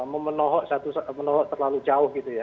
memenohok terlalu jauh gitu ya